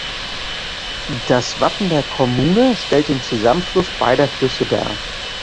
Das Wappen der Kommune stellt den Zusammenfluss beider Flüsse dar.